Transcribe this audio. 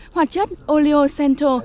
hoạt chất oleo centro